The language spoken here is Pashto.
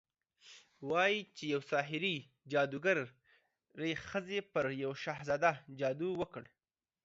وايي چې يوې ساحرې، جادوګرې ښځې پر يو شهزاده جادو وکړ